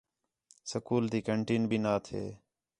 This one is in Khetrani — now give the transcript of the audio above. سکول تی کینٹین بھی نہ تھے